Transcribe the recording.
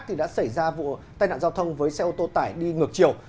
thì đã xảy ra vụ tai nạn giao thông với xe ô tô tải đi ngược chiều